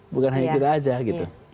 bukan hanya kita aja gitu